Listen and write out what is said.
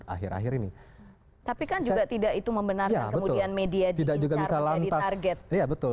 akhir akhir ini tapi kan juga tidak itu membenarkan kemudian media diincar